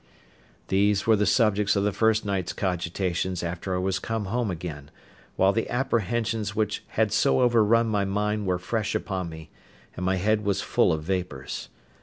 These were the subject of the first night's cogitations after I was come home again, while the apprehensions which had so overrun my mind were fresh upon me, and my head was full of vapours.